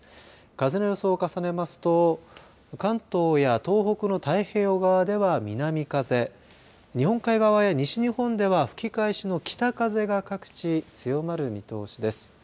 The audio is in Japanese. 風の予想を重ねますと関東や東北の太平洋側では南風日本海側や西日本では吹き返しの北風が各地、強まる見通しです。